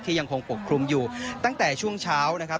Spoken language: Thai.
ยังคงปกคลุมอยู่ตั้งแต่ช่วงเช้านะครับ